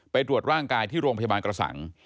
ตรวจร่างกายที่โรงพยาบาลกระสัง